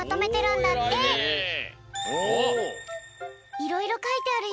いろいろかいてあるよ。